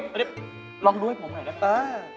อันนี้ลองดูให้ผมหน่อยได้ไหม